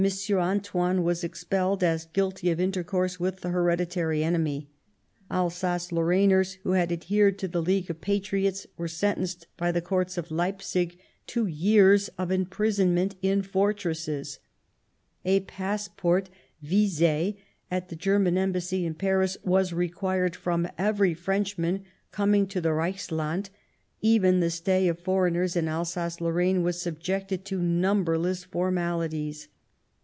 Antoine, was expelled, as guilty of intercourse with the hereditary enemy ; Alsace Lorrainers, who had adhered to the League of Patriots, were sentenced by the Courts at Leipzig to years of imprisonment in fortresses ; a passport, vise at the German Embassy in Paris, was required from every French man coming to the Reichsland ; even the stay of foreigners in Alsace Lorraine was subjected to numberless formalities.